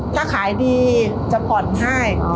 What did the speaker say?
ถ้าขายดีจะผ่อนให้